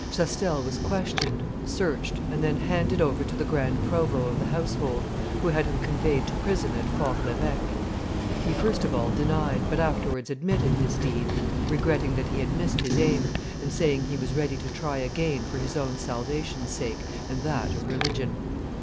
Chastel was questioned, searched, and then handed, over to the grand provost of the household, who had him conveyed to prison at For l'Eveque. He first of all denied, but afterwards admitted his deed, regretting that he had missed his aim, and saying he was ready to try again for his own salvation's sake and that of religion.